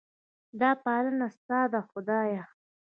دا پالنه ستا ده خدایه.